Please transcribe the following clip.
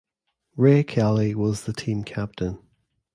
Ray Kelly was the team captain.